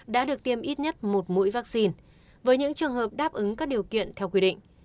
đã được tiêm ít nhất một mũi vaccine với những trường hợp đáp ứng các điều kiện theo quy định